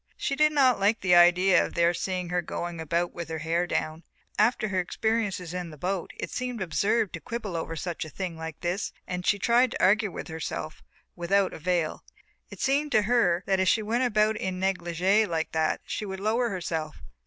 She did not like the idea of their seeing her going about with her hair down; after her experiences in the boat it seemed absurd to quibble over a thing like this and she tried to argue with herself without avail. It seemed to her that if she went about in negligé like that she would lower herself.